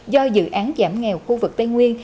do dự án giảm nghèo khu vực tây nguyên